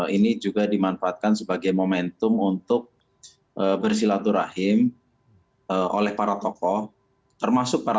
ini juga dimanfaatkan sebagai momentum untuk bersilaturahim oleh para tokoh termasuk para